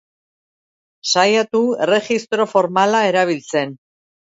Saiatu erregistro formala erabiltzen.